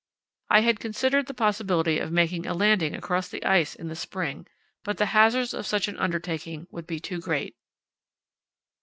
I had considered the possibility of making a landing across the ice in the spring, but the hazards of such an undertaking would be too great.